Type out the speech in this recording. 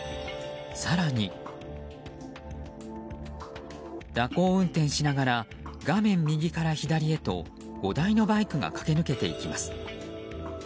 更に、蛇行運転しながら画面右から左へと５台のバイクが駆け抜けていきます。